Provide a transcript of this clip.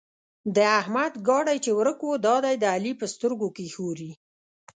د احمد ګاډی چې ورک وو؛ دا دی د علي په سترګو کې ښوري.